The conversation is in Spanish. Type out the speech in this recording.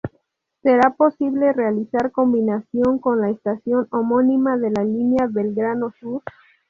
Será posible realizar combinación con la estación homónima de la línea Belgrano Sur.